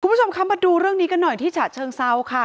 คุณผู้ชมคะมาดูเรื่องนี้กันหน่อยที่ฉะเชิงเซาค่ะ